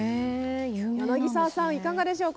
柳澤さん、いかがでしょうか